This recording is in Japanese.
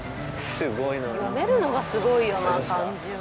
読めるのがすごいよな漢字を。